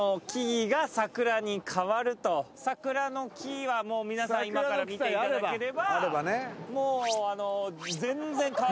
桜の木は皆さん今から見ていただければ。